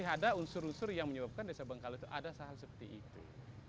ada unsur unsur yang menyebabkan desa bengkalai itu ada hal seperti itu